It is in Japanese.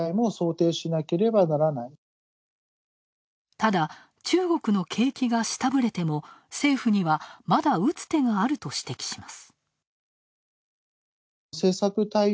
ただ、中国の景気が下振れても政府にはまだ打つ手があると指摘します。